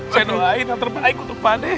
saya doain yang terbaik untuk pak d